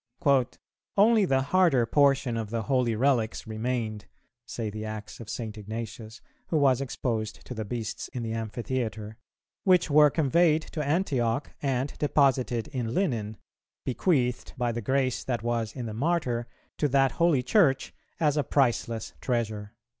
"Only the harder portion of the holy relics remained," say the Acts of St. Ignatius, who was exposed to the beasts in the amphitheatre, "which were conveyed to Antioch, and deposited in linen, bequeathed, by the grace that was in the Martyr, to that holy Church as a priceless treasure."